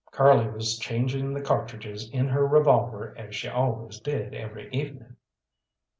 Curly was changing the cartridges in her revolver, as she always did every evening.